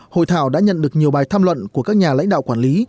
hội thảo đã nhận được nhiều bài tham luận của các nhà lãnh đạo quản lý